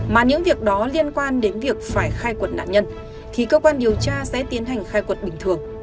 mà những việc đó liên quan đến việc phải khai quật nạn nhân thì cơ quan điều tra sẽ tiến hành khai quật bình thường